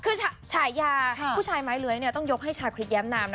คือฉายาผู้ชายไม้เลื้อยต้องยกให้ชาคริสแย้มนามนะ